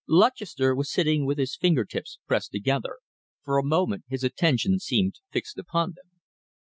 Lutchester was sitting with his finger tips pressed together. For a moment his attention seemed fixed upon them.